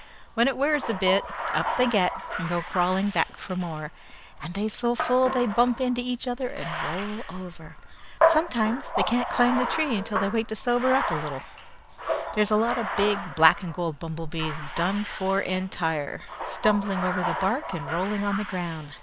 When it wears off a bit, up they get, and go crawling back for more, and they so full they bump into each other and roll over. Sometimes they can't climb the tree until they wait to sober up a little. There's a lot of big black and gold bumblebees, done for entire, stumbling over the bark and rolling on the ground.